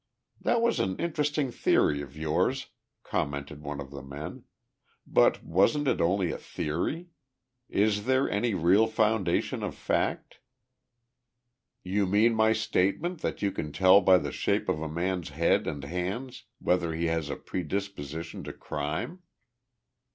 "That was an interesting theory of yours," commented one of the men, "but wasn't it only a theory? Is there any real foundation of fact?" "You mean my statement that you can tell by the shape of a man's head and hands whether he has a predisposition to crime?"